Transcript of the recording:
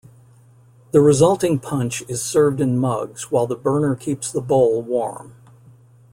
The resulting punch is served in mugs while the burner keeps the bowl warm.